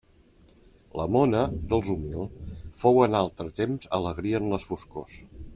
La mona, dolç humil, fou en altre temps alegria en les foscors.